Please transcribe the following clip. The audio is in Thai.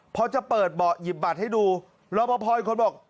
พอจะเปิดเบาะหยิบบัตรให้ดูรอปภอีกคนบอก